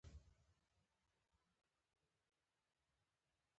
د لا ښه راتلونکي په لوري ګام کېږدو.